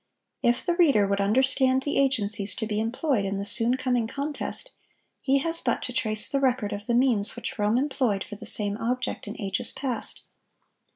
If the reader would understand the agencies to be employed in the soon coming contest, he has but to trace the record of the means which Rome employed for the same object in ages past.